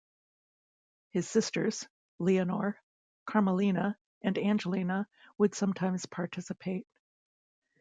His sisters, Leonor, Carmelina and Angelina would sometimes participate.